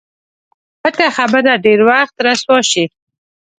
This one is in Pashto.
پټه خبره ډېر وخت رسوا شي.